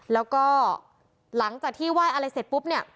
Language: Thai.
แล้วก็หลังจากที่ไหว้อะไรเสร็จปุ๊บเนี่ย